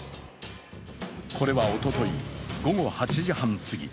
これはおととい午後８時半過ぎ